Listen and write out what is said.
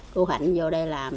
cô hạnh vô đây làm